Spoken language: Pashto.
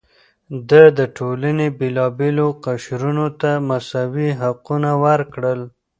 ده د ټولنې بېلابېلو قشرونو ته مساوي حقونه ورکړل.